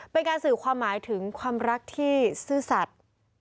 เป็นการสื่อความหมายถึงความรักที่ซื่อสัตว์